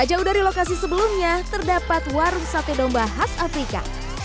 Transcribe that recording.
tak jauh dari lokasi sebelumnya terdapat warung sate domba khas afrika